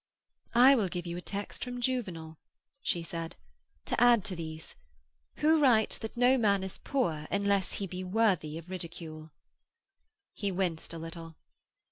'I will give you a text from Juvenal,' she said, 'to add to these: Who writes that no man is poor unless he be worthy of ridicule.' He winced a little.